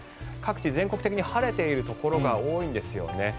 各地、全国的に晴れているところが多いんですよね。